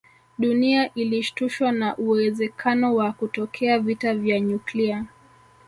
Dunia ilishtushwa na uwezekano wa kutokea vita vya nyuklia